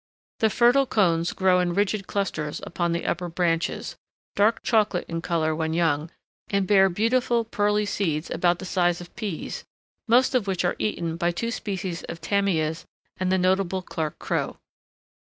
The fertile cones grow in rigid clusters upon the upper branches, dark chocolate in color while young, and bear beautiful pearly seeds about the size of peas, most of which are eaten by two species of tamias and the notable Clark crow.